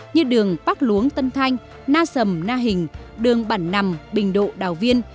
như đường bắc luống tân thanh na sầm na hình đường bản nằm bình độ đào viên